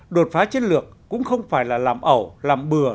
đột phá chiến lược cũng không phải là làm ẩu làm bừa